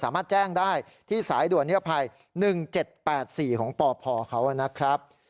สามารถแจ้งได้ที่สายด่วนนิรภัย๑๗๘๔ของปพเขานะครับ